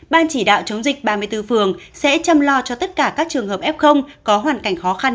ban chỉ đạo chống dịch ba mươi bốn phường sẽ chăm lo cho tất cả các trường hợp f có hoàn cảnh khó khăn